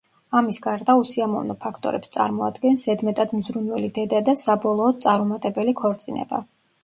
ამის გარდა, უსიამოვნო ფაქტორებს წარმოადგენს ზედმეტად მზრუნველი დედა და საბოლოოდ, წარუმატებელი ქორწინება.